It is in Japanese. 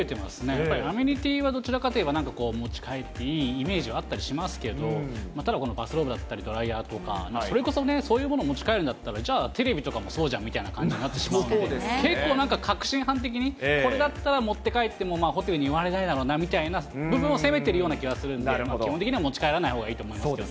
やっぱりアメニティーはどっちかというと持ち帰っていいイメージはあったりしますけど、ただ、このバスローブだったり、ドライヤーとか、それこそね、そういうもの持ち帰るんだったら、じゃあテレビとかもそうじゃんみたいになってしまうと思うので、結構、なんか確信犯的にこれだったら持って帰っても、ホテルに言われないだろうなみたいな部分をせめているような感じがするので、基本的には持ち帰らないほうがいいと思いますけどね。